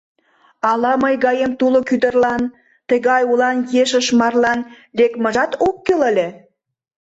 Ала мый гаем тулык ӱдырлан тыгай улан ешыш марлан лекмыжат ок кӱл ыле?